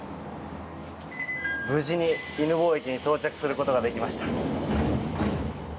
無事に犬吠駅に到着することができました。